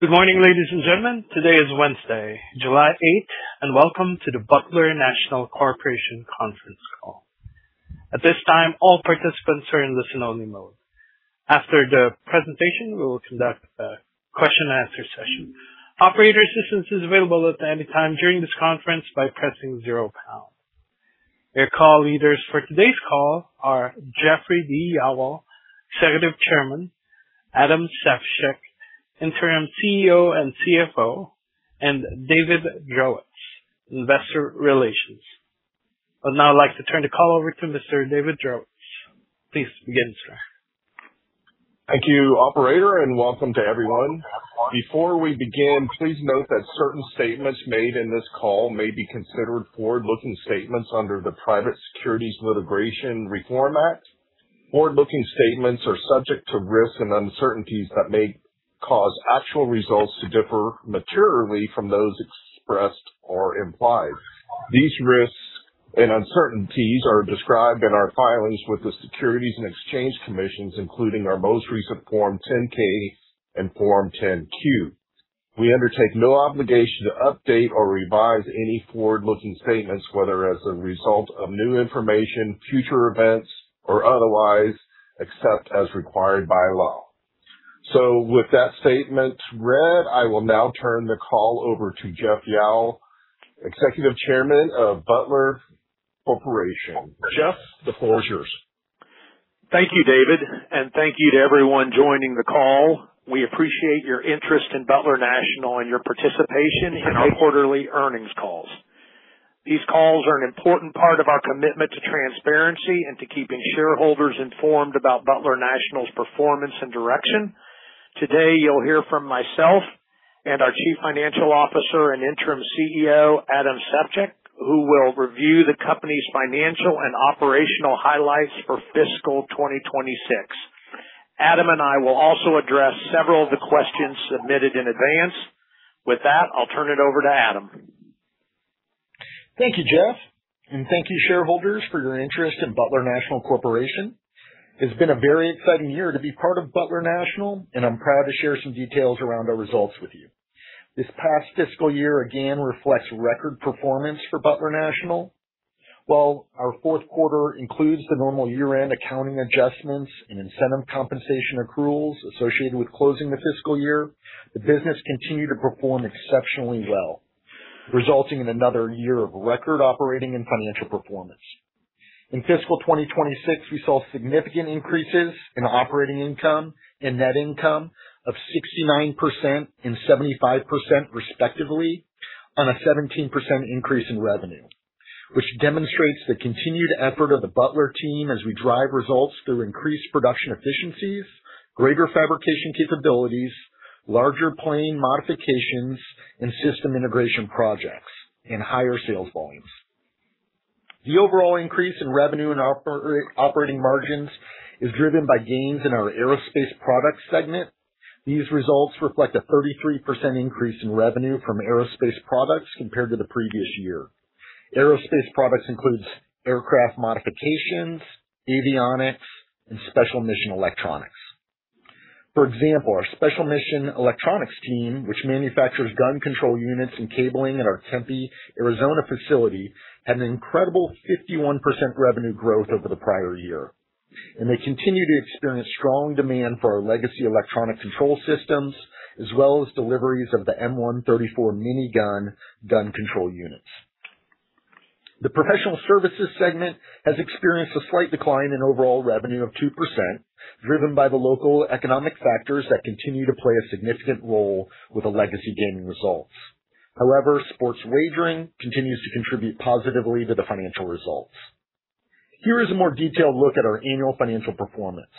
Good morning, ladies and gentlemen. Today is Wednesday, July 8th, and welcome to the Butler National Corporation conference call. At this time, all participants are in listen-only mode. After the presentation, we will conduct a question and answer session. Operator assistance is available at any time during this conference by pressing zero pound. Your call leaders for today's call are Jeffrey D. Yowell, Executive Chairman, Adam Sefchick, Interim CEO and CFO, and David Drewitz, Investor Relations. I'd now like to turn the call over to Mr. David Drewitz. Please begin, sir. Thank you, operator, welcome to everyone. Before we begin, please note that certain statements made in this call may be considered forward-looking statements under the Private Securities Litigation Reform Act. Forward-looking statements are subject to risks and uncertainties that may cause actual results to differ materially from those expressed or implied. These risks and uncertainties are described in our filings with the Securities and Exchange Commission, including our most recent Form 10-K and Form 10-Q. We undertake no obligation to update or revise any forward-looking statements, whether as a result of new information, future events, or otherwise, except as required by law. With that statement read, I will now turn the call over to Jeff Yowell, Executive Chairman of Butler National Corporation. Jeff, the floor is yours. Thank you, David, thank you to everyone joining the call. We appreciate your interest in Butler National and your participation in our quarterly earnings calls. These calls are an important part of our commitment to transparency and to keeping shareholders informed about Butler National's performance and direction. Today, you'll hear from myself and our Chief Financial Officer and Interim CEO, Adam Sefchick, who will review the company's financial and operational highlights for fiscal 2026. Adam and I will also address several of the questions submitted in advance. With that, I'll turn it over to Adam. Thank you, Jeff, and thank you, shareholders, for your interest in Butler National Corporation. It's been a very exciting year to be part of Butler National, I'm proud to share some details around our results with you. This past fiscal year again reflects record performance for Butler National. While our fourth quarter includes the normal year-end accounting adjustments and incentive compensation accruals associated with closing the fiscal year, the business continued to perform exceptionally well, resulting in another year of record operating and financial performance. In fiscal 2026, we saw significant increases in operating income and net income of 69% and 75% respectively, on a 17% increase in revenue, which demonstrates the continued effort of the Butler team as we drive results through increased production efficiencies, greater fabrication capabilities, larger plane modifications, and system integration projects, and higher sales volumes. The overall increase in revenue and operating margins is driven by gains in our aerospace products segment. These results reflect a 33% increase in revenue from aerospace products compared to the previous year. Aerospace products includes aircraft modifications, avionics, and special mission electronics. For example, our special mission electronics team, which manufactures gun control units and cabling at our Tempe, Arizona facility, had an incredible 51% revenue growth over the prior year, and they continue to experience strong demand for our legacy electronic control systems, as well as deliveries of the M134 Minigun gun control units. The professional services segment has experienced a slight decline in overall revenue of 2%, driven by the local economic factors that continue to play a significant role with the legacy gaming results. However, sports wagering continues to contribute positively to the financial results. Here is a more detailed look at our annual financial performance.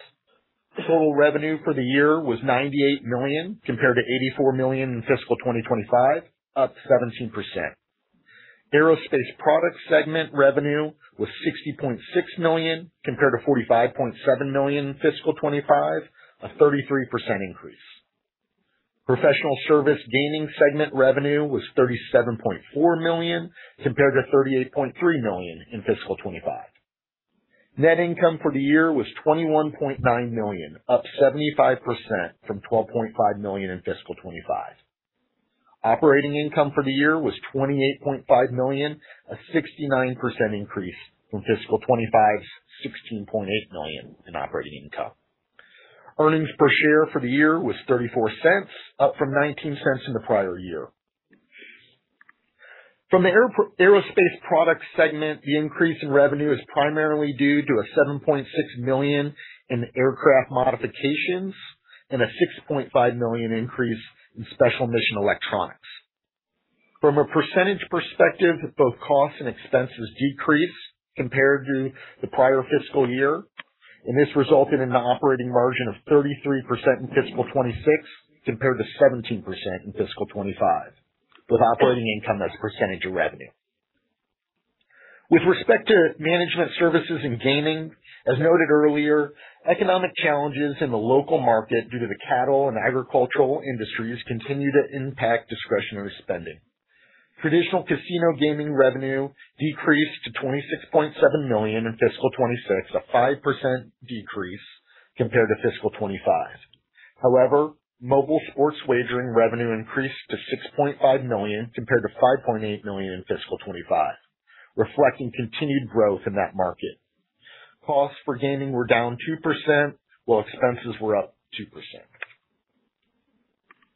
Total revenue for the year was $98 million, compared to $84 million in fiscal 2025, up 17%. Aerospace product segment revenue was $60.6 million, compared to $45.7 million in fiscal 2025, a 33% increase. Professional services gaming segment revenue was $37.4 million, compared to $38.3 million in fiscal 2025. Net income for the year was $21.9 million, up 75% from $12.5 million in fiscal 2025. Operating income for the year was $28.5 million, a 69% increase from fiscal 2025's $16.8 million in operating income. Earnings per share for the year was $0.34, up from $0.19 in the prior year. From the aerospace products segment, the increase in revenue is primarily due to a $7.6 million in aircraft modifications and a $6.5 million increase in special mission electronics. From a percentage perspective, both costs and expenses decreased compared to the prior fiscal year. This resulted in an operating margin of 33% in fiscal 2026, compared to 17% in fiscal 2025, with operating income as a percentage of revenue. With respect to management services and gaming, as noted earlier, economic challenges in the local market due to the cattle and agricultural industries continue to impact discretionary spending. Traditional casino gaming revenue decreased to $26.7 million in fiscal 2026, a 5% decrease compared to fiscal 2025. However, mobile sports wagering revenue increased to $6.5 million compared to $5.8 million in fiscal 2025, reflecting continued growth in that market. Costs for gaming were down 2%, while expenses were up 2%.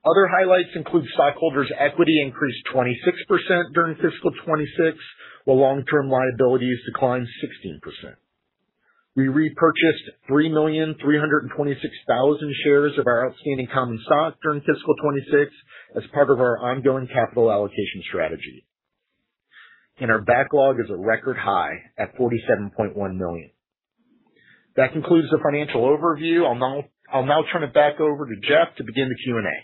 Other highlights include stockholders' equity increased 26% during fiscal 2026, while long-term liabilities declined 16%. We repurchased 3,326,000 shares of our outstanding common stock during fiscal 2026 as part of our ongoing capital allocation strategy. Our backlog is a record high at $47.1 million. That concludes the financial overview. I'll now turn it back over to Jeff to begin the Q&A.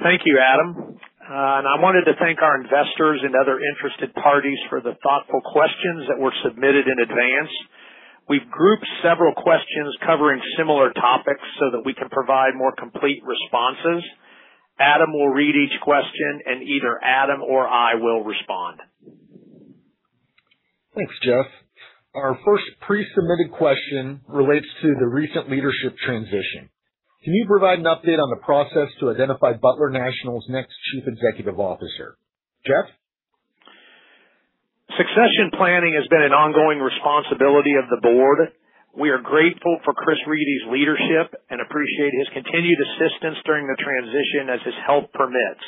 Thank you, Adam. I wanted to thank our investors and other interested parties for the thoughtful questions that were submitted in advance. We've grouped several questions covering similar topics so that we can provide more complete responses. Adam will read each question, and either Adam or I will respond. Thanks, Jeff. Our first pre-submitted question relates to the recent leadership transition. Can you provide an update on the process to identify Butler National's next chief executive officer? Jeff? Succession planning has been an ongoing responsibility of the board. We are grateful for Chris Reedy's leadership and appreciate his continued assistance during the transition as his health permits.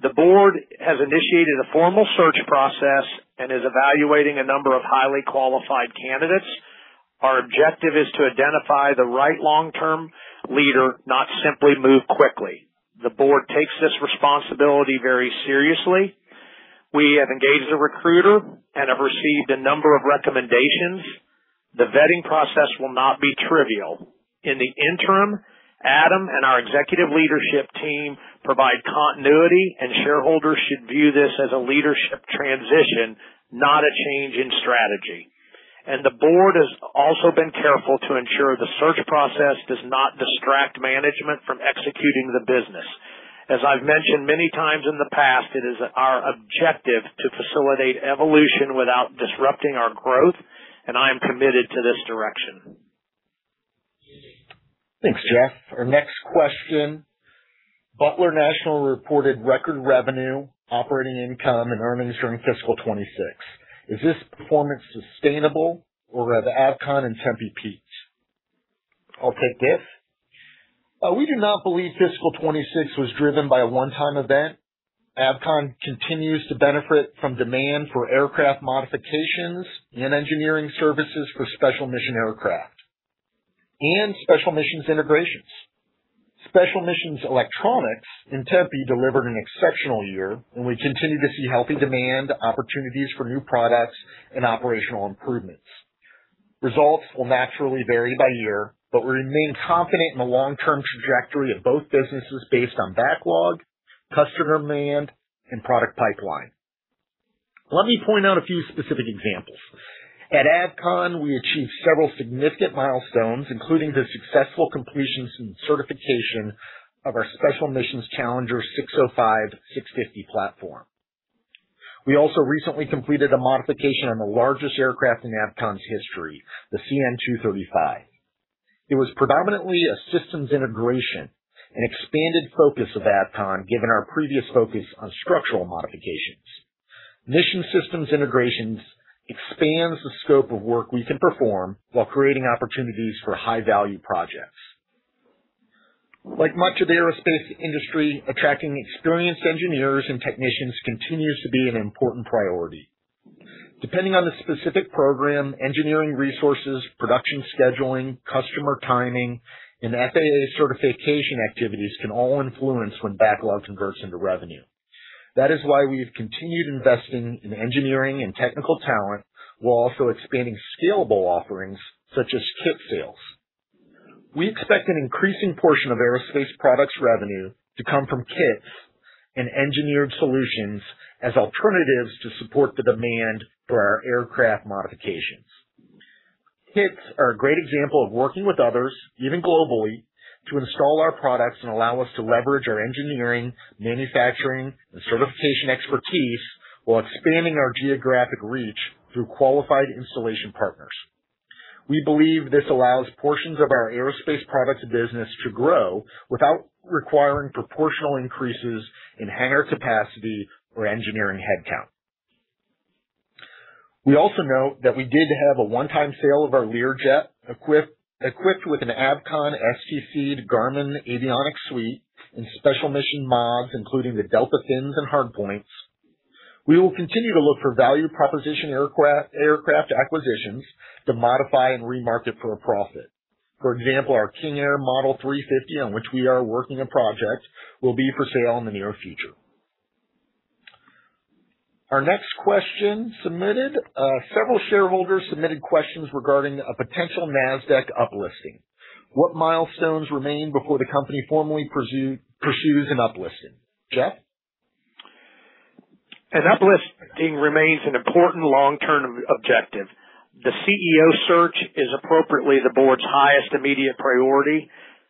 The board has initiated a formal search process and is evaluating a number of highly qualified candidates. Our objective is to identify the right long-term leader, not simply move quickly. The board takes this responsibility very seriously. We have engaged a recruiter and have received a number of recommendations. The vetting process will not be trivial. In the interim, Adam and our executive leadership team provide continuity, shareholders should view this as a leadership transition, not a change in strategy. The board has also been careful to ensure the search process does not distract management from executing the business. As I've mentioned many times in the past, it is our objective to facilitate evolution without disrupting our growth, I am committed to this direction. Thanks, Jeff. Our next question. Butler National reported record revenue, operating income, and earnings during fiscal 2026. Is this performance sustainable or are these Avcon and Tempe peaks? I'll take this. We do not believe fiscal 2026 was driven by a one-time event. Avcon continues to benefit from demand for aircraft modifications and engineering services for special mission aircraft and special missions integrations. Special missions electronics in Tempe delivered an exceptional year. We continue to see healthy demand, opportunities for new products, and operational improvements. Results will naturally vary by year, but we remain confident in the long-term trajectory of both businesses based on backlog, customer demand, and product pipeline. Let me point out a few specific examples. At Avcon, we achieved several significant milestones, including the successful completion and certification of our Special Missions Challenger 605/650 platform. We also recently completed a modification on the largest aircraft in Avcon's history, the CN-235. It was predominantly a systems integration, an expanded focus of Avcon given our previous focus on structural modifications. Mission systems integrations expand the scope of work we can perform while creating opportunities for high-value projects. Like much of the aerospace industry, attracting experienced engineers and technicians continues to be an important priority. Depending on the specific program, engineering resources, production scheduling, customer timing, FAA certification activities can all influence when backlog converts into revenue. That is why we have continued investing in engineering and technical talent while also expanding scalable offerings such as kit sales. We expect an increasing portion of aerospace products revenue to come from kits and engineered solutions as alternatives to support the demand for our aircraft modifications. Kits are a great example of working with others, even globally, to install our products and allow us to leverage our engineering, manufacturing, and certification expertise while expanding our geographic reach through qualified installation partners. We believe this allows portions of our aerospace products business to grow without requiring proportional increases in hangar capacity or engineering headcount. We also note that we did have a one-time sale of our Learjet equipped with an Avcon STC'd Garmin Avionics suite and special mission mods, including the delta fins and hard points. We will continue to look for value proposition aircraft acquisitions to modify and remarket for a profit. For example, our King Air Model 350, on which we are working on a project, will be for sale in the near future. Our next question submitted. Several shareholders submitted questions regarding a potential NASDAQ uplisting. What milestones remain before the company formally pursues an uplisting? Jeff? An uplisting remains an important long-term objective. The CEO search is appropriately the board's highest immediate priority.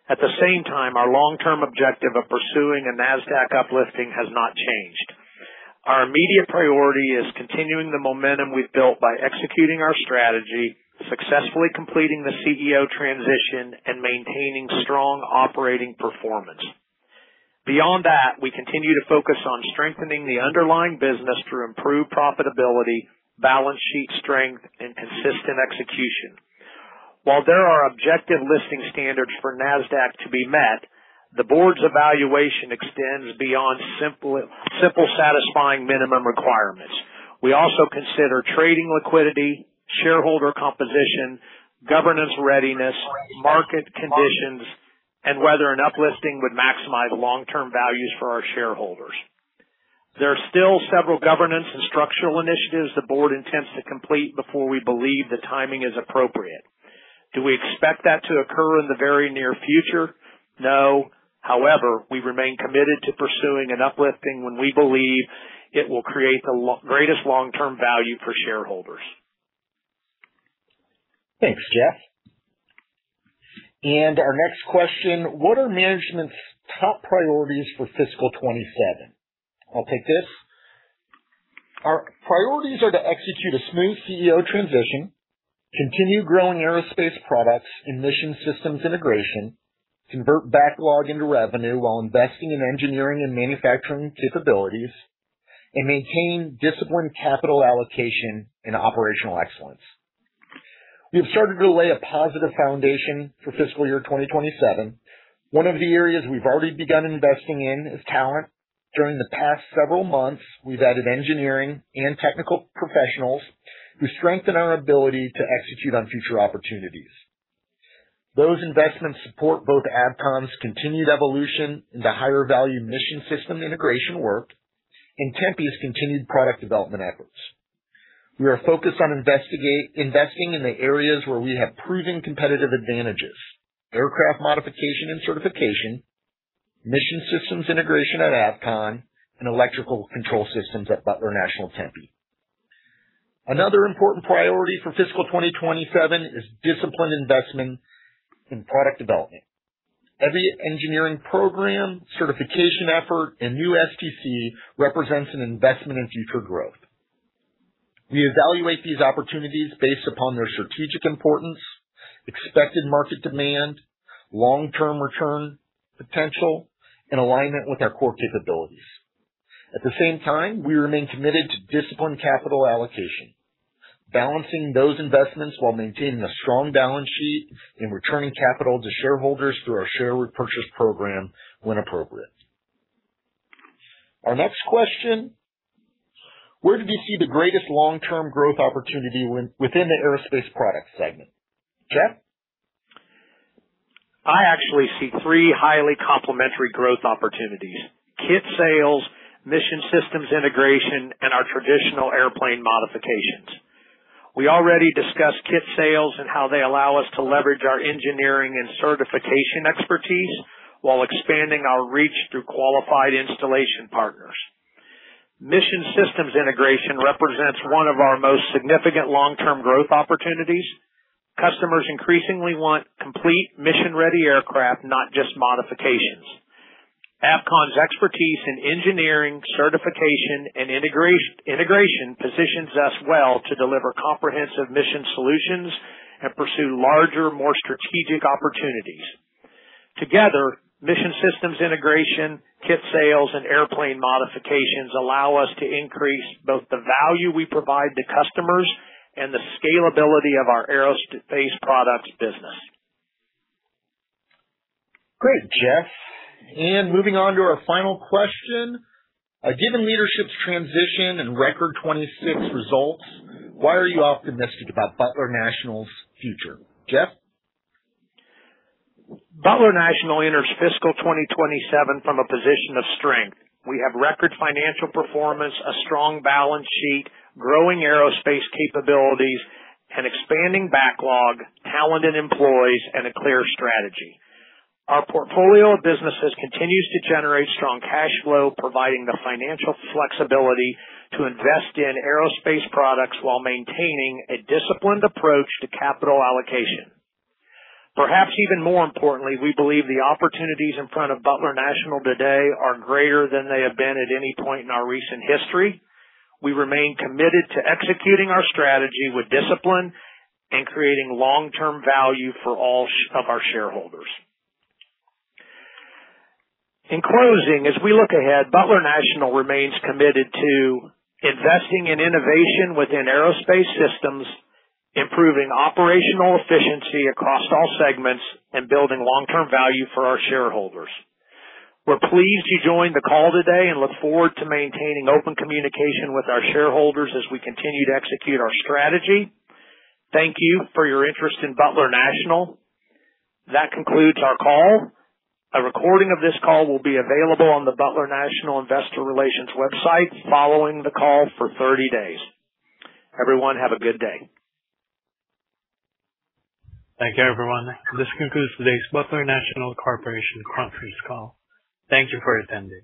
At the same time, our long-term objective of pursuing a NASDAQ uplisting has not changed. Our immediate priority is continuing the momentum we've built by executing our strategy, successfully completing the CEO transition, and maintaining strong operating performance. Beyond that, we continue to focus on strengthening the underlying business through improved profitability, balance sheet strength, and consistent execution. While there are objective listing standards for NASDAQ to be met, the board's evaluation extends beyond simply satisfying minimum requirements. We also consider trading liquidity, shareholder composition, governance readiness, market conditions, and whether an uplisting would maximize long-term values for our shareholders. There are still several governance and structural initiatives the board intends to complete before we believe the timing is appropriate. Do we expect that to occur in the very near future? No. However, we remain committed to pursuing an uplifting when we believe it will create the greatest long-term value for shareholders. Thanks, Jeff. Our next question, What are management's top priorities for fiscal 2027? I'll take this. Our priorities are to execute a smooth CEO transition, continue growing aerospace products and mission systems integration, convert backlog into revenue while investing in engineering and manufacturing capabilities, and maintain disciplined capital allocation and operational excellence. We have started to lay a positive foundation for fiscal year 2027. One of the areas we've already begun investing in is talent. During the past several months, we've added engineering and technical professionals who strengthen our ability to execute on future opportunities. Those investments support both Avcon's continued evolution into higher-value mission system integration work and Tempe's continued product development efforts. We are focused on investing in the areas where we have proven competitive advantages, aircraft modification and certification, mission system integration at Avcon, and electrical control systems at Butler National Tempe. Another important priority for fiscal 2027 is disciplined investment in product development. Every engineering program, certification effort, and new STC represent an investment in future growth. We evaluate these opportunities based upon their strategic importance, expected market demand, long-term return potential, and alignment with our core capabilities. At the same time, we remain committed to disciplined capital allocation, balancing those investments while maintaining a strong balance sheet and returning capital to shareholders through our share repurchase program when appropriate. Our next question, Where do you see the greatest long-term growth opportunity within the aerospace product segment? Jeff? I actually see three highly complementary growth opportunities, kit sales, mission systems integration, and our traditional airplane modifications. We already discussed kit sales and how they allow us to leverage our engineering and certification expertise while expanding our reach through qualified installation partners. Mission systems integration represents one of our most significant long-term growth opportunities. Customers increasingly want complete mission-ready aircraft, not just modifications. Avcon's expertise in engineering, certification, and integration positions us well to deliver comprehensive mission solutions and pursue larger, more strategic opportunities. Together, mission systems integration, kit sales, and airplane modifications allow us to increase both the value we provide to customers and the scalability of our aerospace products business. Great, Jeff. Moving on to our final question, Given leadership's transition and record 2026 results, why are you optimistic about Butler National's future? Jeff? Butler National enters fiscal 2027 from a position of strength. We have record financial performance, a strong balance sheet, growing aerospace capabilities, an expanding backlog, talented employees, and a clear strategy. Our portfolio of businesses continues to generate strong cash flow, providing the financial flexibility to invest in aerospace products while maintaining a disciplined approach to capital allocation. Perhaps even more importantly, we believe the opportunities in front of Butler National today are greater than they have been at any point in our recent history. We remain committed to executing our strategy with discipline and creating long-term value for all of our shareholders. In closing, as we look ahead, Butler National remains committed to investing in innovation within aerospace systems, improving operational efficiency across all segments, and building long-term value for our shareholders. We're pleased you joined the call today and look forward to maintaining open communication with our shareholders as we continue to execute our strategy. Thank you for your interest in Butler National. That concludes our call. A recording of this call will be available on the Butler National Investor Relations website following the call for 30 days. Everyone, have a good day. Thank you, everyone. This concludes today's Butler National Corporation conference call. Thank you for attending.